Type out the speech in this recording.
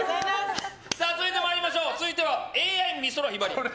続いては、ＡＩ美空ひばり。